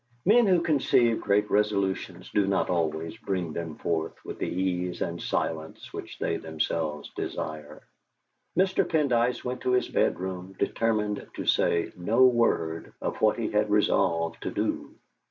Men who conceive great resolutions do not always bring them forth with the ease and silence which they themselves desire. Mr. Pendyce went to his bedroom determined to say no word of what he had resolved to do.